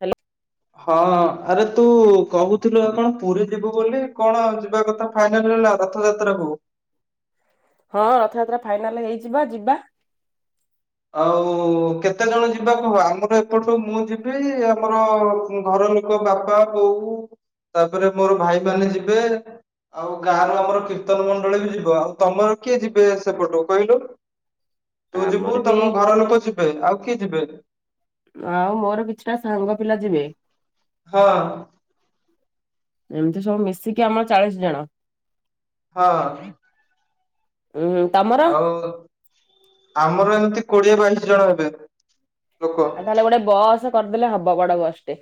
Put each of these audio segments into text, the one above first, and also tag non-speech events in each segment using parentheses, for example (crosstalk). Hello. ହଁ ଆରେ ତୁ କହୁଥିଲୁ କଣ ପୁରୀ ଯିବୁ ବୋଲି କଣ ଯିବା କଥା ଫାଇନାଲ ହେଲା ରଥଯାତ୍ରା କୁ? ହଁ ରଥଯାତ୍ରା ଫାଇନାଲ ହେଇଚି ବା ଯିବା। ଆଉ କେତେ ଜଣ ଯିବାକୁହ? ଆମର ଏପଟୁ ମୁଁ ଯିବି ଆମର ଘର ଲୋକ ମୋ ବାପା ବୋଉ ତାପରେ ମୋର ଭାଇ ମାନ ଯିବେ। ଆଉ ଗାଁ ର ଆମର କୀର୍ତ୍ତନ ମଣ୍ଡଳୀ ବି ଯିବ ଆଉ ତମର କିଏ ଯିବେ ସେପଟକୁ କହିଲୁ? ତୁ ଆମ ଯିବୁ ତମ ଘର ଲୋକ ଯିବେ ଆଉ କିଏ ଯିବେ? ଆଉ ମୋର କିଛିଟା ସାଙ୍ଗ ପିଲା ଯିବେ। ହଁ। ଏମିତି ସବୁ ମିଶିକି ଆମର ଚାଳିଶ ଜଣ। ହଁ। ଉଁ ହୁଁ ତମ ଆଉ ଆମର ଏମିତି କୋଡିଏ ବାଇଶି ଜଣ ହେବେ। ଲୋକ ଆଉ ତାହେଲେ ଗୋଟେ ବସ କରିଦେଲେ ହବ ବଡ ବସ ଟେ।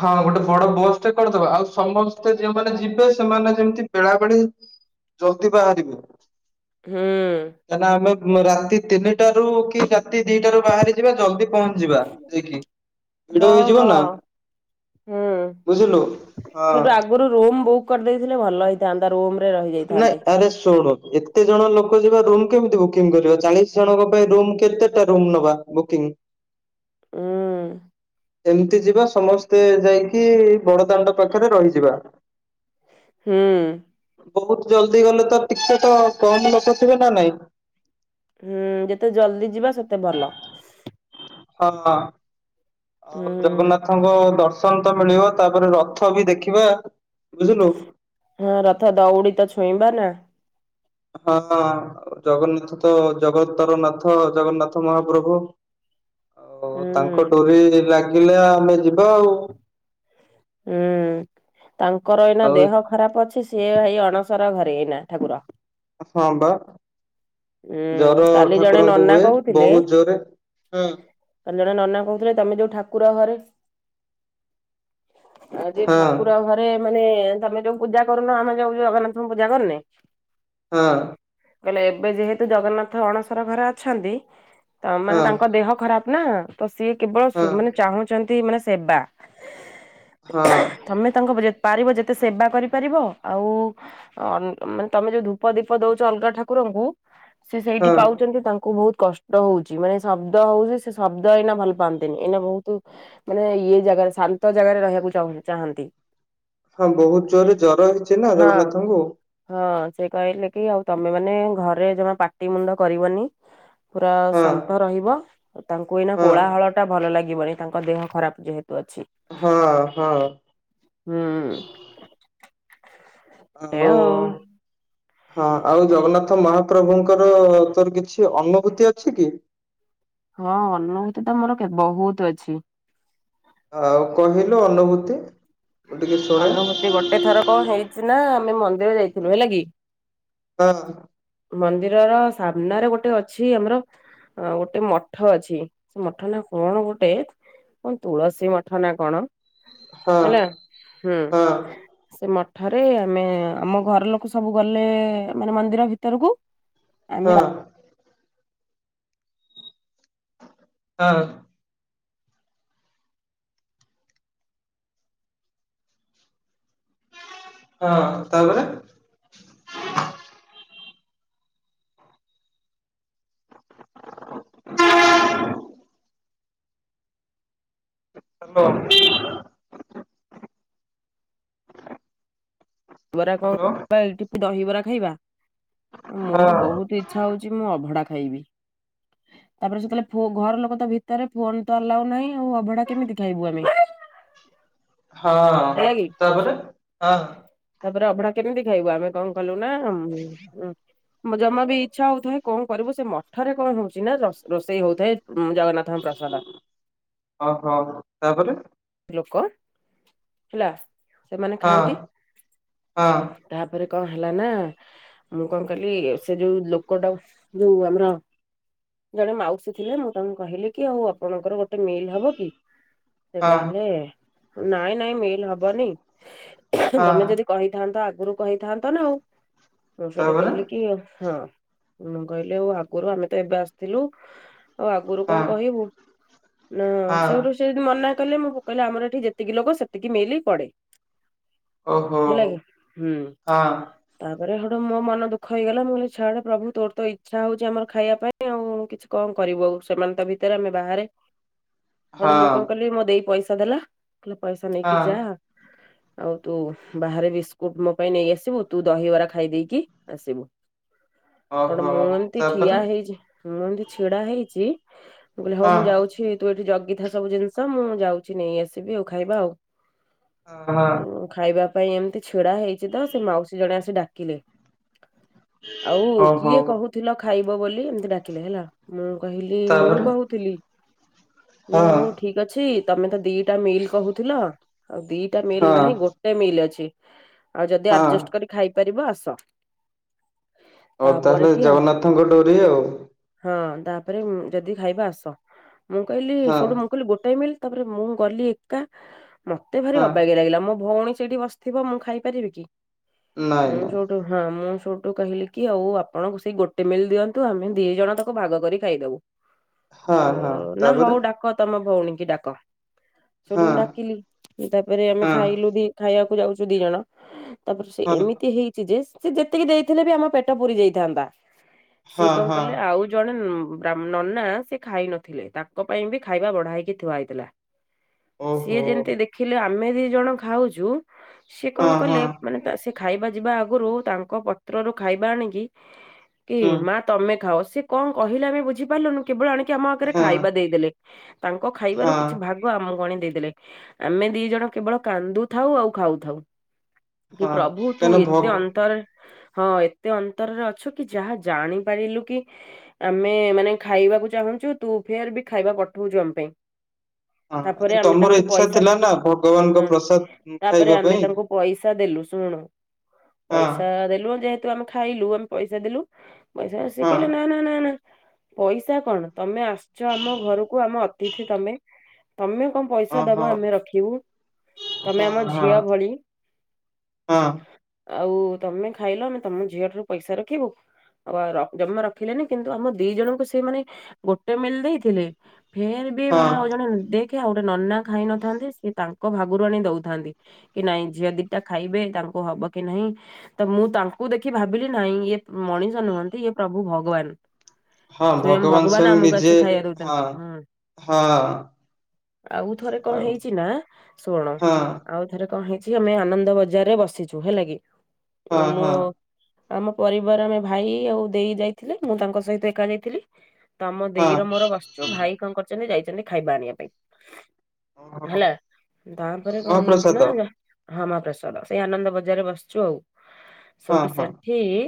ହଁ ଗୋଟେ ବଡ ବସ୍ ଟେ କରିଦବା ଆଉ ସମସ୍ତେ ଯୋଉମାନେ ଯିବେ ସେମାନେ ଯେମିତି ବେଳାବେଳି ଜଲ୍ଦି ବାହାରିବେ। ହୁଁ। ହେଲା ଆମେ ଉଁ ରାତି ତିନି ଟା ରୁ କି ଚା ରାତି ଦିଟାରୁ ବାହାରି ଯିବା ଜଲଦି ପହଞ୍ଚି ଯିବା ଯାଇକି ହଁ ଭିଡ ହେଇଯିବ ହଁ ନା। ହୁଁ। ବୁଝିଲୁ ହଁ। ସେଠୁ ଆଗରୁ ରୁମ ବୁକ୍ କରିଦେଇଥିଲେ ଭଲ ହେଇ ଥାନ୍ତା ରୁମ ରେ ରହିଜା ନାଇଁ ଆରେ ଶୁଣୁ କେତେ ଜଣ ଲୋକ ଯିବା ରୁମ୍ କେମିତି ବୁକିଂ କରିବା ଚାଳିଶ ଜଣଙ୍କ ପାଇଁ ରୁମ କେତେଟା ରୁମ୍ ନବା ବୁକିଂ। ଉଁ ହୁଁ। ଏମିତି ଯିବା ସମସ୍ତେ ଯାଇକି ବଡ ଦାଣ୍ଡ ପାଖରେ ରହିଯିବା। ହୁଁ। ବହୁତ ଜଲଦି ଗଲେ ତ ଟିକେ ତ କମ ଲୋକ ଥିବେ ନା ନାଇଁ? ହୁଁ ଯେତେ ଜଲଦି ଯିବା ସେତେ ଭଲ। ହଁ ହୁଁ ଆଉ ଜଗନ୍ନାଥ ଥଙ୍କ ଦର୍ଶନ ତ ମିଳିବ ତାପରେ ରଥ ବି ଦେଖିବା ବୁଝିଲୁ? ହଁ ରଥ ଦଉଡି ତ ଛୁଇଁବା ନା? ହଁ ଜଗନ୍ନାଥ ତ ଜଗତର ନାଥ ଜଗନ୍ନାଥ ମହାପ୍ରଭୁ। ଓ ତାଙ୍କ ହୁଁ ଡୋରି ଲାଗିଲା ଆମେ ଯିବା ଆଉ। ହୁଁ ତାଙ୍କର ଏଇନା ଆଉ ଦେହ ଖରାପ ଅଛି। ସିଏ ଭାଇ ଅଣସର ଘରେ ଏଇନା ଠାକୁର। ହଁ ବା। ଉଁ ଜର କାଲି ଜଣେ ଠାକୁରଙ୍କୁ ନନା ହୁଏ କହୁଥିଲେ ବହୁତ ଜୋରେ କାଲି ଜଣେ ନନା କହୁଥିଲେ ତମେ ଯୋଉ ଠାକୁର ଘରେ ଆଜି ହଁ ଠାକୁର ଘରେ ମାନେ ତମେ ଯୋଉ ପୂଜା କରୁନ ଆମେ ଯୋଉ ଜଗନ୍ନାଥଙ୍କୁ ପୂଜା କରୁନେ? ହଁ। କହିଲେ ଏବେ ଯେହେତୁ ଜଗନ୍ନାଥ ଅଣସର ଘରେ ଅଛନ୍ତି ତ ମାନେ ତାଙ୍କ ଦେହ ଖରାପ ନା ତ ସିଏ ହଁ କେବଳ ମାନେ ଚାହୁଁଛନ୍ତି ମାନେ ସେବା। ହଁ। ତମେ ତାଙ୍କ ପାରିବ ଯେତେ ସେବା କରିପାରିବ ଆଉ ଅ ମାନେ ତମେ ଯୋଉ ଧୂପ ଦୀପ ଦଉଛ ଅଲଗା ଠାକୁରଙ୍କୁ ସେ ସେଇଠି ହଁ। ପାଉ ଚନ୍ତି ତାଙ୍କୁ ବହୁତ କଷ୍ଟ ହୋ। ମାନେ ଶବ୍ଦ ହଉଛି ସେ ଶବ୍ଦ ଏଇନା ଭଲ ପାଆନ୍ତିନି ଏଇନା ବହୁତ ମାନେ ଇଏ ଜାଗାରେ ଶାନ୍ତ ଜାଗାରେ ରହିବାକୁ ଚାହୁଁ ଚାହାନ୍ତି। ହଁ ବହୁତ ଜୋରରେ ଜର ହେଇଛି ନା ହଁ ଜଗନ୍ନାଥଙ୍କୁ। ହଁ ସେ କହିଲେ କି ଆଉ ତମେ ମାନେ ଘରେ ଜମା ପାଟି ମୁଣ୍ଡ କରିବନି ପୁରା ହଁ ଶାନ୍ତ ରହିବ ତାଙ୍କୁ ଏଇନା ହଁ କୋଳାହଳ ଟା ଭଲ ଲାଗିବନି ତାଙ୍କ ଦେହ ଖରାପ ଯେହେତୁ ଅଛି। ହଁ ହଁ। ହୁଁ। ଆଉ ହଁ ଆଉ ଜଗନ୍ନାଥ ମହାପ୍ରଭୁଙ୍କର ତୋର କିଛି ଅନୁଭୂତି ଅଛି କି? ହଁ ଅନୁଭୂତ ତ ମୋର କେ ବହୁତ ଅଛି। ଆଉ କହିଲୁ ଅନୁଭୂତି। ମୁଁ ଟିକେ ଶୁଣେ ଅନୁଭୂତି ଗୋଟେ ଥର କଣ ହେଇଛି ନା ଆମେ ମନ୍ଦିର ଯାଇଥିଲୁ ହେଲା କି ବା ମନ୍ଦିରର ସାମ୍ନାରେ ଗୋଟେ ଅଛି ଆମର ଆଉ ଗୋଟେ ମଠ ଅଛି ସେ ମଠ ନା କଣ ଗୋଟେ କଣ ତୁଳସୀ ମଠ ନା କଣ? ହଁ। ହେଲା ହୁଁ। ହଁ ସେ ମଠରେ ଆମେ ଆମ ଘର ଲୋକ ସବୁ ଗଲେ ମାନେ ମନ୍ଦିର ଭିତରକୁ ଆମେ ହଁ। ହଁ। ହଁ ତାପରେ? ହା। ବରା ହାଲୋ କଣ ଏଠି ଦହିବରା ଖାଇବା? ମୋର ହଁ। ବହୁତ ଇଚ୍ଛା ହଉଛି ମୁଁ ଅଭଡ଼ା ଖାଇବି। (inaudible) ତାପରେ ସେତେବେଳେ ପୁଅ ଘର ଲୋକ ତ ଭିତରେ ଫୋନ ତ ଆଲାଉ ନାହିଁ ଆଉ ଅଭଡ଼ା କେମିତି ଖାଇବୁ ଆମେ। ହଁ ହେଲା କି ତାପରେ ହଁ। ତାପରେ ଅଭଡ଼ା କେମିତି ଖାଇବୁ ଆମେ କଣ କଲୁ ନା ଉମ୍ ଜମା ବି ଇଚ୍ଛା ହଉଥାଏ କଣ କରିବୁ ସେ ମଠରେ କଣ ହଉଛି ନା ରଷ୍ ରୋଷେଇ ହଉଥାଏ ଉଁ ଜଗନ୍ନା ଥଙ୍କ ପ୍ରସାଦ। ଅହ ତାପରେ ଚି ଲୋକ ହେଲା ସେମାନେ ହଁ ଖାଆନ୍ତି। ହଁ ତାପରେ କଣ ହେଲା ନା ମୁଁ କଣ କଲି ସେ ଯୋଉ ଲୋକଟା ଯୋଉ ଆମର ଜଣେ ମାଉସୀ ଥିଲେ ମୁଁ ତାଙ୍କୁ କହିଲି କି ଆଉ ଆପଣଙ୍କର ଗୋଟେ ମିଲ୍ ହବ କି? ସେ କହିଲେ ନାଇଁ ନାଇଁ ମିଲ୍ ହବନି ହଁ ତମେ ହଁ ଯଦି କହିଥାନ୍ତ ଆଗରୁ କହିଥାନ୍ତ ନା ଆଉ। ମୁଁ ସେଠୁ ତାପରେ କହିଲି କି ହଁ। ମୁୁଁ କହିଲି ଆଉ ଆଗରୁ ଆମେ ତ ଏବେ ଆସିଥିଲୁ, ଆଉ ଆଗରୁ ହଁ କଣ କହିବୁ। ନା ହଁ ସେଇଠୁ ସେ ଯଦି ମନା କଲେ, ମୁଁ କହିଲେ ଆମର ଏଠି ଯେତିକି ଲୋକ ସେତିକି ମିଲି ପଡ଼େ। ଓହୋ ହେଲାକି? ହଁ ତାପରେ ହେଟୁ ମୋ ମନ ଦୁଖ ହେଇଗଲା। ମୁଁ କହିଲି ଛାଡ଼ ପ୍ରଭୁ ତୋର ତ ଇଚ୍ଛା ହଉଛି ଆମର ଖାଇବା ପାଇଁ ଆଉ କିଛି କଣ କରିବୁ ଆଉ ସେମାନେ ତ ଭିତରେ ଆମେ ବାହାରେ। (inaudible) ହେଟୁ ମୁଁ କଣ କଲି, ମୋ ଦେଇ ପଇସା ଦେଲା କହିଲା ପଇସା ନେଇକି ଯା। (inaudible) ଆଉ ତୁ ବାହାରେ ବିସ୍କୁଟ ମୋ ପାଇଁ ନେଇ ଆସିବୁ, ତୁ ଦହିବରା ଖାଇ ଦେଇକି ଆସିବୁ। ହେଟୁ ଓହୋ ମୁଁ ଏମିତି ଠିଆ ତାପରେ ହେଇଛି‌। ମୁଁ ଏମିତି ଛିଡ଼ା ହେଇଛି। ମୁଁ କହିଲି ହଉ ହଁ ମୁଁ ଯାଉଛି ତୁ ଏଇଠି ଜଗିଥା ସବୁ ଜିନିଷ ମୁଁ ଯାଉଛି ନେଇ ଆସିବି ଆଉ ଖାଇବା ଆଉ ହଁ। ଉଁ ଖାଇବା ପାଇଁ ଏମିତି ଛିଡ଼ା ହେଇଛି ତ ସେ ମାଉସୀ ଜଣେ ଆସି ଡାକିଲେ। ଆଉ ହଁ ହଁ କିଏ କହୁଥିଲ ଖାଇବ ବୋଲି ଏମିତି ଡାକିଲେ ହେଲା। ମୁଁ କହିଲି ମୁଁ ତାପରେ କହୁଥିଲି। ନା ହଁ ହଉ ଠିକ ଅଛି, ତମେ ତ ଦିଟା ମିଲ୍ କହୁଥିଲ ଆଉ ଦିଟା ମିଲ୍ ହଁ ନାହିଁ ଗୋ ଟେ ମିଲ୍ ଅଛି, ଆଉ ଯଦି ହଁ ଆଡଜଷ୍ଟ କରି ଖାଇପାରିବ ଆସ। ଅ ତାପରେ ତାହେଲେ କି ଜଗନ୍ନାଥଙ୍କ ଡୋରି ଆଉ। ହଁ ତାପରେ ଉମ୍ ଯଦି ଖାଇବ ଆସ। ମୁଁ କହିଲି ହଁ ସେଠୁ ମୁଁ କହିଲି ଗୋଟେ ମିଲ୍ ତାପରେ ମୁଁ ଗଲି ଏକା, ମତେ ଭାରି ହଁ ଅବାଗିଆ ଲାଗିଲା ମୋ ଭଉଣୀ ସେଇଠି ବସ୍ ଥିବ ମୁଁ ଖାଇପାରିବି କି, ନାଇଁ ମୁଁ ନାଇଁ ଯୋଉ କୁ ହଁ ମୁଁ ସେଉଠୁ କହିଲି କି ଆଉ ଆପଣଙ୍କୁ ସେଇ ଗୋଟେ ମିଲ୍ ଦିଅନ୍ତୁ ଆମେ ଦି ଜଣ ତାକୁ ଭାଗ କରି ଖାଇଦବୁ। ହଁ ଓ ହଁ ନା ହଉ ତାପରେ ଡାକ ତମ ଭଉଣୀ କି ଡାକ, ସେଠୁ ହଁ ମୁଁ ଡାକିଲି ତାପରେ ଆମେ ହଁ ଖାଇଲୁ ବି ଖାଇବାକୁ ଯାଉଛୁ ଦି ଜଣ, ତାପରେ ସେ ହଁ ଏମିତି ହେଇ ଚି ଯେସ୍ ସେ ଯେତିକି ଦେଇଥିଲେ ବି ଆମ ପେଟ ପୁରି ଯାଇଥାନ୍ତା। ସିଏ ହଁ କଣ ହଁ କଲେ ଆଉ ଜଣେ ଉଁ ବ୍ରା ନନା ସେ ଖାଇ ନଥିଲେ, ତାଙ୍କ ପାଇଁ ବି ଖାଇବା ବଢ଼ା ହେଇକି ଥୁଆ ହେଇଥିଲା। ସିଏ ଓହୋ ଯେମିତି ଦେଖିଲେ ଆମେ ଦି ଜଣ ଖାଉଛୁ। ସିଏ କଣ ହଁ କଲେ ହଁ ମାନେ ତା ସେ ଖାଇବା ଯିବା ଆଗରୁ, ତାଙ୍କ ପତ୍ରରୁ ଖାଇବା ଆଣିକି କି ହୁଁ ମା ତମେ ଖାଅ, ସେ କଣ କହିଲେ ଆମେ ବୁଝିପାରିଲୁନୁ କେବଳ ଆଣିକି ଆମ ଆଗରେ ହଁ ଖାଇବା ଦେଇଦେଲେ। ତାଙ୍କ ହଁ ଖାଇବାରୁ କି ହଁ ଭାଗ ଆମକୁ ଆଣି ଦେଇଦେଲେ, ଆମେ ଦି ଜଣ କେବଳ କାନ୍ଦୁଥାଉ ଆଉ ଖାଉଥାଉ। କି ପ୍ରଭୁ ତୁ କାହିଁକିନା ଭ ଏତେ ହଁ ଅନ୍ତର ହଁ ଏ ତେ ଅନ୍ତରରେ ଅଛୁ କି ଯାହା ଜାଣି ପାରିଲୁ କି ଆମେ ମାନେ ଖାଇବାକୁ ଚାହୁଁଛୁ, ତୁ ଫେର ବି ଖାଇବା ପଠଉଛୁ ଆମ ପାଇଁ। ତାପରେ ଆରେ ଆମେ ତମର ତାଙ୍କୁ ଇଚ୍ଛା ପଇସା, ଥିଲା ନା ଭଗବାନଙ୍କ ହୁଁ ପ୍ରସାଦ ତାପରେ ଖାଇବା ଆମେ ପାଇଁ ତାଙ୍କୁ ପଇସା ଦେଲୁ, ଶୁଣୁ ହଁ ପଇସା ଦେଲୁ ଯେହେ କିନ୍ତୁ ଆମେ ଖାଇଲୁ ଆମେ ପଇସା ଦେଲୁ ପଇସା ସେ ହଁ କହିଲେ ନା ନା ନା ନା। ପଇସା କଣ ତମେ ଆସିଛ ଆମ ଘରକୁ ଆମ ଅତିଥି ତମେ। ତମେ କଣ ପଇସା ଦବ ଓହୋ ଆମେ ରଖିବୁ ତମେ ହଁ ଆମ ଝିଅ ଭଳି। ହଁ। ଆଉ ତମେ ଖାଇଲ ଆମେ ତମ ଝିଅଠାରୁ ପଇସା ରଖିବୁ। ଆଉ ର ଜମା ରଖିଲେନି କିନ୍ତୁ ଆମ ଦି ଜଣଙ୍କୁ ସିଏ ମାନେ ଗୋଟେ ମିଲ୍ ଦେଇଥିଲେ ଫେର ବି ହଁ ହଁ ମାନେ ଅଜ ଦେଖେ ଆଉ ଗୋଟେ ନନା ଖାଇ ନଥାନ୍ତୀ ସେ ତାଙ୍କ ଭାଗରୁ ଆଣି ଦଉଥାନ୍ତି। କି ନାଇଁ ଝିଅ ଦିଟା ଖାଇବେ ତାଙ୍କୁ ହବ କି ନହିଁ। ତ ମୁଁ ତାଙ୍କୁ ଦେଖି ଭାବିଲି ନାହିଁ ଇଏ ମଣିଷ ନୁହନ୍ତି ଇଏ ପ୍ରଭୁ ଭଗବାନ। ହଁ ସ୍ଵୟଂ ଭଗବାନ ସ୍ଵୟଂ ଆମକୁ ନିଜେ ଆସି ଖାଇବା ହଁ ଦଉଛନ୍ତି ହୁଁ ହଁ। ଆଉ ଥରେ କଣ ହେଇଛି ନା ଶୁଣ ହଁ ଆଉ। ଥରେ କଣ ହେଇଛି ଆମେ ଆନନ୍ଦ ବଜାରରେ ବସିଛୁ ହେଲା କି ହଁ ମୁଁ ହଁ ଆମ ପରିବାର ଆମେ ଭାଇ ଆଉ ଦେଇ ଯାଇଥିଲେ ମୁଁ ତାଙ୍କ ସହିତ ଏକା ଯାଇଥିଲି। ତ ମୋ ହଁ ଦେଇ ର ମୋର ବସିଚୁ ଭାଇ କଣ କରିଛନ୍ତି ଯାଇଛନ୍ତି ଖାଇବା ଆଣିବାକୁ। ଓହୋ ତାପରେ କଣ ହେଇଛି ମହାପ୍ରସାଦ ନା। ହଁ ମହାପ୍ରସାଦ ସେଇ ଆନନ୍ଦ ବଜାରରେ ବସିଛୁ ଆଉ ହଁ ସେଉଠୁ ହଁ ସେଠ ସିଏ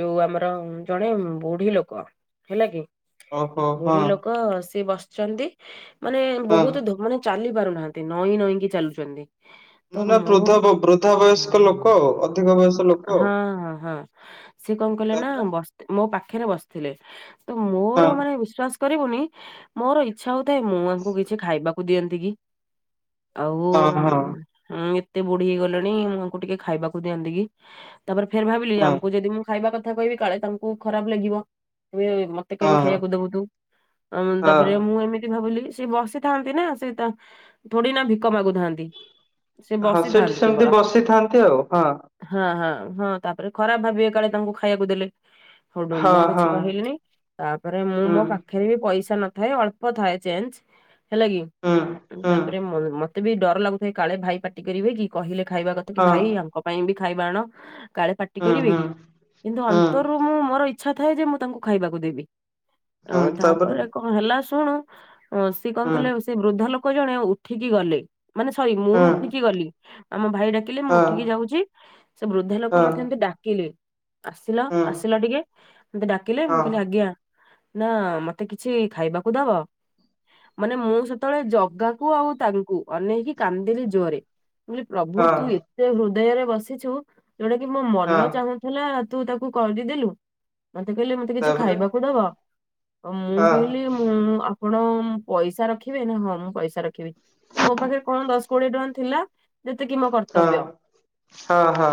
ଯୋଉ ଆମର ଜଣେ ବୁଢୀ ଲୋକ। ହେଲା କି ଓହୋ ହଁ ବୁଢୀ ଲୋକ ସିଏ ବସିଛନ୍ତି। ମାନେ ହଁ ବହୁତ ଧୁ ମାନେ ଚାଲି ପାରୁନାହାନ୍ତି ନଈଁ ନଈଁକି ଚାଲୁଛନ୍ତି। ତ ମାନେ ବୃଦ୍ଧ ବୃଦ୍ଧା ବୟସ୍କ ଲୋକ ମୁଁ ଆଉ ଅଧିକ ବୟସ୍କ ଲୋକ ଆଉ। ହଁ ହଁ ହଁ। ସିଏ କଣ କଲେ ନା ତାପରେ ବସ ମୋ ପାଖରେ ବସିଥିଲେ ତ ମୋର ହଁ ମାନେ ବିସ୍ୱାସ କରିବୁନି ମୋର ଇଚ୍ଛା ହଉଥାଏ ମୁଁ ତାଙ୍କୁ କିଛି ଖାଇବାକୁ ଦିଅନ୍ତି କି। ଆଉ ହଁ ହଁ ମୁଁ ଏତେ ବୁଢୀ ହେଇଗଲିଣି ମୁଁଆଙ୍କୁ ଟିକେ ଖାଇବାକୁ ଦିଅନ୍ତି କି। ତାପରେ ଫେର ଭାବିଲି ହଁ ଆମକୁ ଯଦି ମୁଁ ଖାଇବା କଥା କହିବି କାଳେ ତାଙ୍କୁ ଖରାପ ଲାଗିବ ଏବେ ତାକୁ କହିଁକି ହଁ ଖାଇବାକୁ ଦବୁ ତୁ ଅମ ହଁ ତାପରେ ମୁଁ ଏମିତି ଭାବିଲି। ସେ ବସିଥାନ୍ତି ନା ସେ ତା ଥୋଡି ନା ଭିକ ମାଗୁଥାନ୍ତି। ସେ ହଁ ସେଠି ବସିଥାନ୍ତି କେବଳ ସେମତି ବସିଥାନ୍ତି ଆଉ ହଁ। ହଁ ହଁ ହଁ ତାପରେ ଖରାପ ଭାବିବେ କାଳେ ତାଙ୍କୁ ଖାଇବାକୁ ଦେଲେ। ହେଠୁ ମୁଁ ହଁ ହଁ କିଛି କହିଲିିନି ତାପରେ ମୁଁ ହୁଁ ମୋ ପାଖରେ ବି ପଇସା ନଥାଏ ଅଳ୍ପ ଥାଏ ଚେଞ୍ଚେ। ହେଲା କି ହୁଁ ହୁଁ ତାପରେ ମ-ମତେ ବି ଡର ଲାଗୁଥଏ କାଳେ ଭାଇ ପାଟି କରିବେ କି କହିଲେ ଖାଇବା କଥା। କି ହଁ ଭାଇ ଆଙ୍କ ପାଇଁ ବି ଖାଇବା ଆଣ କାଳେ ପାଟି ହୁଁ କରିବେ ହୁଁ କି କିନ୍ତୁ ହୁଁ ଅନ୍ତରରୁ ମୁଁ ମୋର ଇଚ୍ଛା ଥାଏ ଯେ ମୁଁ ତାଙ୍କୁ ଖାଇବାକୁ ଦେବି ଅଁ ତାପରେ କଣ ହେଲା ଶୁଣୁ ହଁ ସିଏ କଣ ହୁଁ କଲେ ସେ ବୃଦ୍ଧା ଲୋକ ଜଣେ ଉଠିକି ଗଲେ ମାନେ ସରି ମୁଁ ହୁଁ ଉଠିକି କି ଗଲି ଆମ ଭାଇ ଡାକିଲି ମୁଁ ହଁ ଉଠିକି ଯାଉଛି ସେ ବୃଦ୍ଧା ଲୋକ ହଁ ମତେ ଏମିତି ଡାକିଲେ। ଆସିଲ ହୁଁ ଆସିଲ ଟିକେ ମତେ ଡାକିଲେ ହଁ ମୁଁ କଲି ଆଜ୍ଞା। ନା ମତେ କିଛି ଖାଇବାକୁ ଦବ। ମାନେ ମୁଁ ସେତେବେଳେ ଜଗାକୁ ଆଉ ତାଙ୍କୁ ଅନେଇକି କାନ୍ଦିଲି ଜୋରେ। ମୁଁ କହିଲି ପ୍ରଭୁ ହଁ ତୁ ଏତେ ହୃଦୟରେ ବସିଛୁ ଯୋଉଟା କି ମୋ ହଁ ମନ ଚାହୁଁ ଥିଲା ତୁ ତାକୁ କରିଦିଦେଲୁ। ମତେ କହିଲେ ମତେ କିଛି ତାପରେ ଖାଇବାକୁ ଦବ ମୁଁ ହଁ କହିଲି ମୁଁ ଆପଣ ମୁଁ ପଇସା ରଖିବି ନା ହଁ ମୁଁ ପଇସା ରଖିବି ମୋ ପାଖରେ କଣ ଦଶ କୋଡିଏ ଟଙ୍କା ଥିଲା। ଯେତିକି ମୋ ହଁ କର୍ତ୍ତବ୍ୟ। ହଁ ହଁ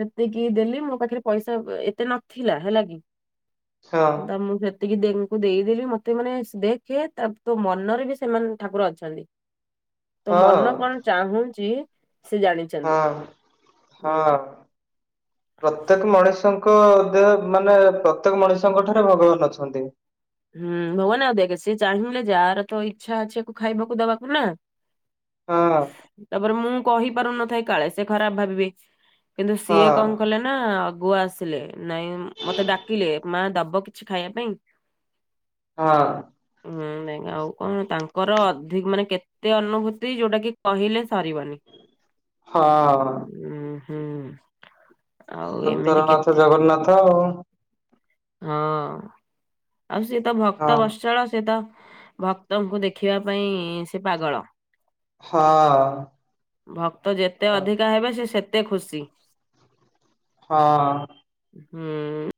ସେତିକି ଦେଲି ମୋ ପାଖରେ ପଇସା ଏତେ ନଥିଲା ହେଲା କି ହଁ ତ ମୁଁ ହେତିକି ଦେଙ୍କୁ ଦେଇଦେଲି ମତେ ମାନେ ଦେଖେ ତା ତୋ ମନରେ ବି ସେମାନେ ଠାକୁର ଅଛନ୍ତି। ତୋ ମନ ହଁ କଣ ଚାହୁଁଛି ସେ ଜାଣି ହଁ ହଁ। ପ୍ରତ୍ୟେକ ମଣିଷଙ୍କ ଦେହ ମାନେ ପ୍ରତ୍ୟେକ ମଣିଷଙ୍କ ଠାରେ ଭଗବାନ ଅଛନ୍ତି। ହୁଁ ଭଗବାନେ ଆଉ ଦେଖେ ସିଏ ଚାହିଁଲେ ଯାହାର ତ ଇଚ୍ଛା ଅଛି ୟାକୁୁ ଖାଇବାକୁ ଦବାକୁ ନା ହଁ। ତାପରେ ମୁଁ କହିପାରୁନଥାଏ କାଳେ ସେ ଖରାପ ଭାବିବେ। କିନ୍ତୁ ସିଏ ହଁ କଣ କଲେ ନା ଆଗୁଆ ଆସ୍ ଥିଲେ ନାଇଁ ମତେ ଡାକିଲେ ମା ଦବ କିଛି ଖାଇବା ପାଇଁ? ହଁ। ହୁଁ ନାଇଁ ଆଉ କଣ ତାଙ୍କର ଅଧିକ୍ ମାନେ କେ ଏତେ ଅନୁଭୂତି ଯୋଉଟା କି କହିଲେ ସରିବନି। ହଁ। ଉଁ ହୁଁ। ଆଉ ଏମିତି ଜଗତରନାଥ କେତେ ଜଗନ୍ନାଥ ଆଉ ହଁ ଆଉ ସିଏ ତ ହଁ। ଭକ୍ତ ବତ୍ସଳ ସେ ତ ଭକ୍ତଙ୍କୁ ଦେଖିବା ପାଇଁ ସେ ପାଗଳ। ହଁ। ଭକ୍ତ ଯେତେ ଅଧିକା ହେବେ ସିଏ ସେତେ ଖୁସି। ହଁ। ହୁଁ ଉଁ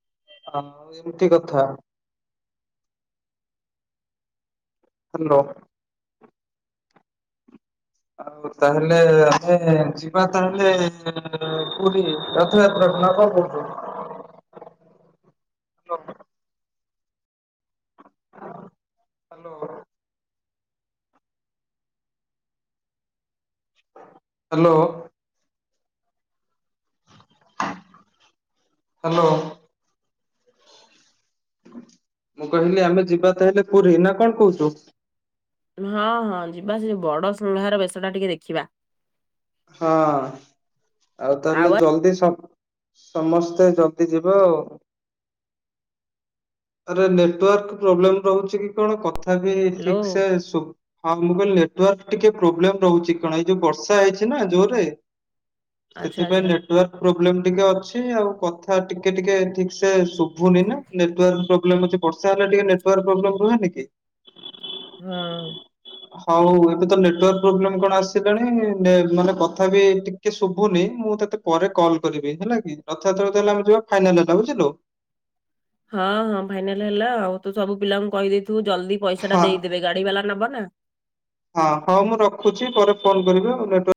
ଆଉ ଏମତି କଥା। ହାଲୋ ଆଉ ତାହେଲେ ଆମେ ଯିବା ତାହେଲେ ପୁରୀ। ରଥଯାତ୍ରାକୁ ନା କଣ କହୁଚୁ? Hello hello. ହାଲୋ। ହାଲୋ। ମୁଁ କହିଲି ଆମେ ଯିବା ତାହେଲେ ପୁରୀ ନା କଣ କହୁଚୁ? ହଁ ହଁ ଯିବା ସେ ଯୋଉ ବଡ ଶୃଙ୍ଘାର ବେଶଟା ଟିକେ ଦେଖିବା। ହଁ ଆଉ ଆଉ ତାହେଲେ ଜଲଦି ସ ସମସ୍ତେ ଜଲଦି ଯିବା ଆଉ। ଆରେ ନେଟୱାର୍କ୍ ପ୍ରୋବ୍ଲେମ ରହୁଚି କି କଣ କଥା ତଥାପି ହ୍ୟାଲୋ ଠିକସେ ଶୁ ହଁ ମୁଁ କହିଲ ନେଟୱାର୍କ ଟିକେ ପ୍ରୋବ୍ଲେମ ରହୁଚି କଣ ଏଇ ଯୋଉ ବର୍ଷା ହେଇଚି ଚିନା ଜୋରେ ଆଚ୍ଛା ସେଥିପାଇଁ ଆଚ୍ଛା ନେଟୱାର୍କ୍ ପ୍ରୋବ୍ଲେମ ଟିକେ ଅଛି ଆଉ କଥା ଟିକେ ଟିକେ ଠିକସେ ଶୁଭୁନି ନା ନେଟୱର୍କ୍ ପ୍ରୋ ପ୍ରୋବ୍ଲେମ ହୋଉଚି ବର୍ଷା ହେଲେ ଟିକେ ନେଟୱାର୍କ ପ୍ରୋବ୍ଲେମ ହୁଏନି କି? ହଁ। ହଉ ଏବେ ତ ନେଟୱାର୍କ୍ ପ୍ରୋବ୍ଲେମ୍ କଣ ଆସିଲାଣି ନେ ମାନେ କଥା ବି ଟିକେ ଶୁଭୁନି ମୁଁ ତତେ ପରେ କଲ୍ କରିବି ହେଲାକି। ରଥଯାତ୍ରକୁ ତାହେଲେ ଆମେ ଯିବା ଫାଇନାଲ୍ ହେଲା ବୁଝିଲୁ। ହଁ ହଁ ଫାଇନାଲ୍ ହେଲା ଆଉ ତୁ ସବୁ ପିଲାଙ୍କୁ କହିଦେଇଥିବୁ ଜଲଦି ହଁ ପଇସାଟା ଦେଇଦେଇଥିବେ ଗାଡି ବାଲା ନବନା। ହଁ ହୋଉ ମୁଁ ରଖୁଚି ପରେ ଫୋନ କରିବି ଆଉ ନେଟ୍ୱା